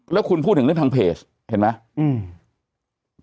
แล้วคุณพูดถึงเรื่องทางเพจเห็นไหม